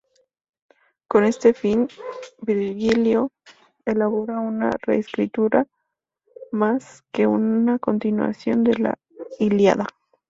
Con este fin, Virgilio elabora una reescritura, más que una continuación, de la "Ilíada".